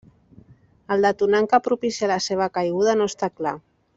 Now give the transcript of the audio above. El detonant que propicià la seva caiguda no està clar.